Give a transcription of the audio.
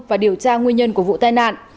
và điều tra nguyên nhân của vụ tai nạn